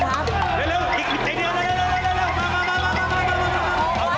ไม่มีเพียนมิโกะ